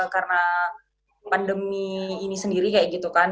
karena pandemi ini sendiri kayak gitu kan